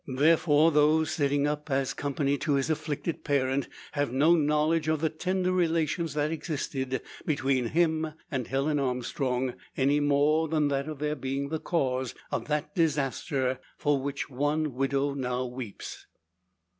Therefore, those, sitting up as company to his afflicted parent, have no knowledge of the tender relations that existed between him and Helen Armstrong, any more than of their being the cause of that disaster for which the widow now weeps.